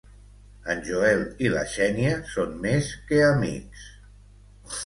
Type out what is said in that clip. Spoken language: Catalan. En Joel i la Xènia són més que amics.